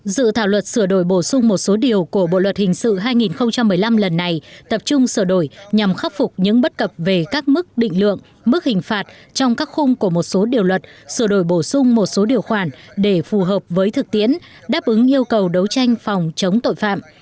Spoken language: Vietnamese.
dự thảo luật sửa đổi bổ sung một số điều của bộ luật hình sự hai nghìn một mươi năm lần này tập trung sửa đổi nhằm khắc phục những bất cập về các mức định lượng mức hình phạt trong các khung của một số điều luật sửa đổi bổ sung một số điều khoản để phù hợp với thực tiễn đáp ứng yêu cầu đấu tranh phòng chống tội phạm